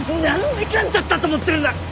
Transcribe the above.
何時間経ったと思ってるんだ！？